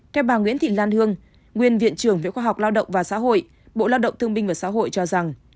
theo bà nguyễn thị lan hương nguyên viện trưởng viện khoa học lao động và xã hội bộ lao động thương minh và xã hội cho rằng